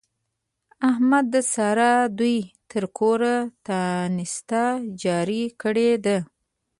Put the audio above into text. احمد د سارا دوی تر کوره تانسته جار کړې ده.